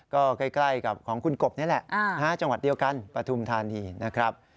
ก็ใกล้กับของคุณกบนี่แหละจังหวัดเดียวกันปฐุมธานีนะครับ